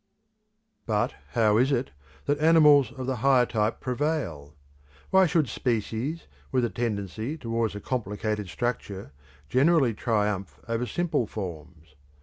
But how is it that animals of the higher type prevail? Why should species, with a tendency towards a complicated structure, generally triumph over simple forms?